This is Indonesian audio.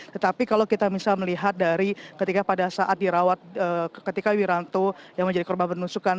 tetapi kalau kita bisa melihat dari ketika pada saat dirawat ketika wiranto yang menjadi korban penusukan